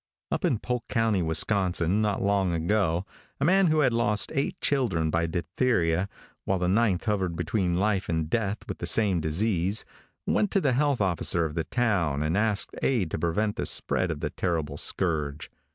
|UP in Polk county, Wisconsin, not long ago, a man who had lost eight children by diphtheria, while the ninth hovered between life and death with the same disease, went to the health officer of the town and asked aid to prevent the spread of the terrible scourge.